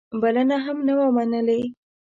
بلنه هم نه وه منلې.